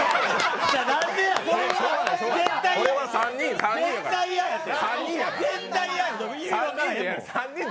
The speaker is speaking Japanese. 絶対嫌やて！